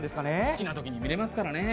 好きな時に見れますからね。